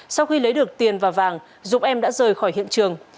sau khi lấy được tiền và vàng dũng em đã rời khỏi hiện trường